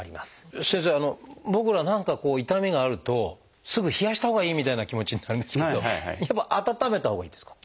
先生僕ら何かこう痛みがあるとすぐ冷やしたほうがいいみたいな気持ちになるんですけどやっぱ温めたほうがいいんですか？